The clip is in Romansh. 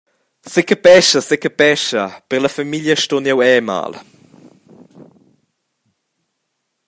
Secapescha, secapescha, per la famiglia stun jeu era mal.